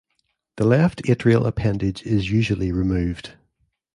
The left atrial appendage is usually removed.